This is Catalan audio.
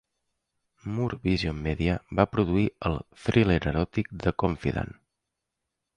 Moore Vision Media va produir el thriller eròtic The Confidant.